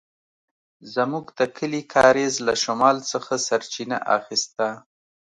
زموږ د کلي کاریز له شمال څخه سرچينه اخيسته.